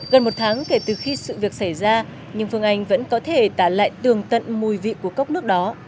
gần một tháng kể từ khi sự việc xảy ra nhưng phương anh vẫn có thể tả lại tường tận mùi vị của cốc nước đó